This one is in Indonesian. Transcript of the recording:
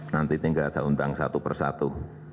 nanti tinggal saya undang satu persatu